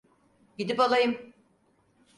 Gidip alayım.